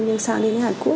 nhưng sang đến hàn quốc